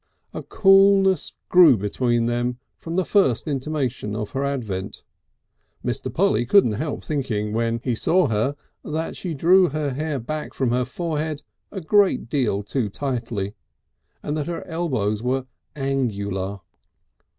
A coolness grew between them from the first intimation of her advent. Mr. Polly couldn't help thinking when he saw her that she drew her hair back from her forehead a great deal too tightly, and that her elbows were angular.